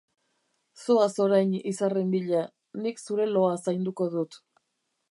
Zoaz orain izarren bila, nik zure loa zainduko dut.